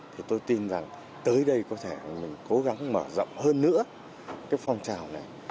thì tôi tin rằng tới đây có thể mình cố gắng mở rộng hơn nữa cái phong trào này